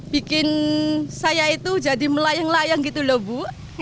bikin saya itu jadi melayang layang gitu loh bu